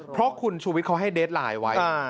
เพราะคุณชูวิทย์เขาให้เดสไลน์ไว้